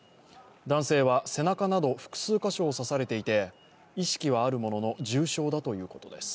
男性は、背中など複数カ所を刺されていて、意識はあるものの重傷だということです。